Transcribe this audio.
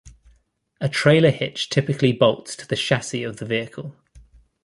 A trailer hitch typically bolts to the chassis of the vehicle.